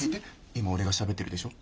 今俺がしゃべってるでしょ